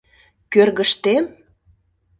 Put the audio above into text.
— Кӧргыштем...